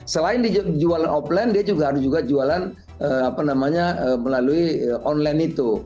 selain dijual offline dia juga harus juga jualan melalui online itu